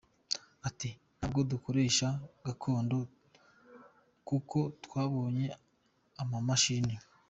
Ati “Ntabwo dukoresha gakondo kuko twabonye amamashini.